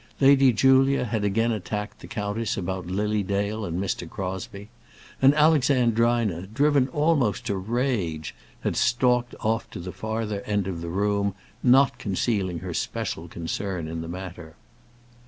Lady Julia had again attacked the countess about Lily Dale and Mr. Crosbie, and Alexandrina, driven almost to rage, had stalked off to the farther end of the room, not concealing her special concern in the matter.